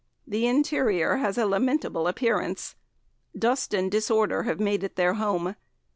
The interior has a lamentable appearance; dust and disorder have made it their home.